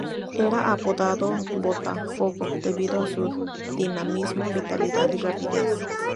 Era apodado "Botafogo", debido a su dinamismo, vitalidad y rapidez.